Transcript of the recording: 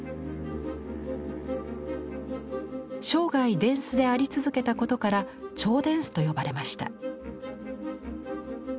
生涯殿司であり続けたことから「兆殿司」と呼ばれました。